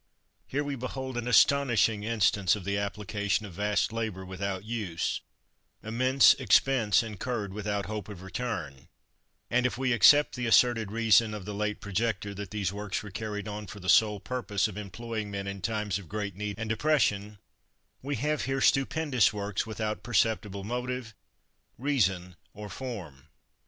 Here we behold an astonishing instance of the application of vast labour without use, immense expense incurred without hope of return, and, if we except the asserted reason of the late projector that these works were carried on for the sole purpose of employing men in times of great need and depression, we have here stupendous works without perceptible motive, reason, or form.